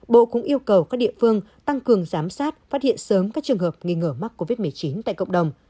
bộ cũng yêu cầu các địa phương tăng cường giám sát phát hiện sớm các trường hợp nghi ngờ mắc covid một mươi chín tại cộng đồng